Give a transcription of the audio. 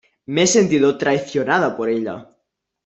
me he sentido traicionada por ella.